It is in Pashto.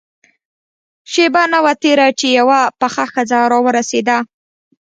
شېبه نه وه تېره چې يوه پخه ښځه راورسېده.